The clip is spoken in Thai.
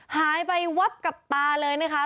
หายไปวับกับตาเลยนะคะ